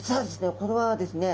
これはですね